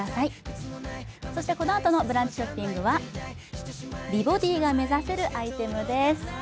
このあとの「ブランチショッピング」は美ボディーが目指せるアイテムです。